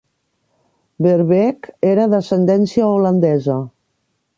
Verbeek era d'ascendència holandesa.